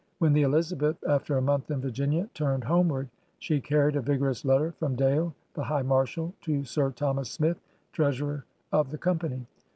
When the Elizabeth^ after a month in Viiginia, turned homeward, she carried a vigorous letter from Dale» the High Marshal, to Sir Thomas Smith, Treasurer of the Company.